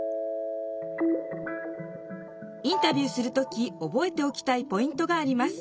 インタビューする時おぼえておきたいポイントがあります。